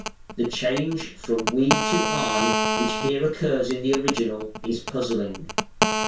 (The change from We to I, which here occurs in the original, is puzzling.)